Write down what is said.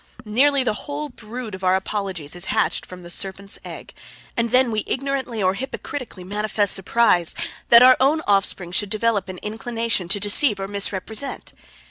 Nearly the whole brood of our apologies is hatched from the serpent's egg, and then we ignorantly or hypocritically manifest surprise that our own offspring should develop an inclination to deceive or misrepresent!